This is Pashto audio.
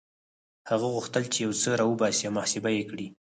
هغه غوښتل چې يو څه را وباسي او محاسبه يې کړي.